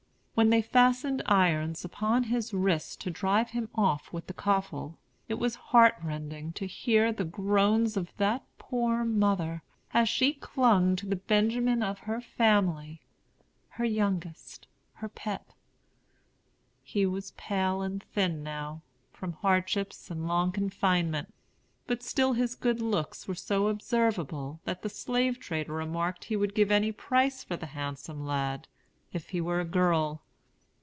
When they fastened irons upon his wrists to drive him off with the coffle, it was heart rending to hear the groans of that poor mother, as she clung to the Benjamin of her family, her youngest, her pet. He was pale and thin now, from hardships and long confinement; but still his good looks were so observable that the slave trader remarked he would give any price for the handsome lad, if he were a girl.